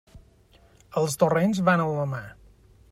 Els torrents van a la mar.